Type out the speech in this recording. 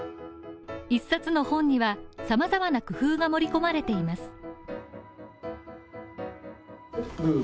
一冊の本にはさまざまな工夫が盛り込まれています。